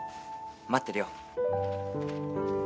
待ってるよ。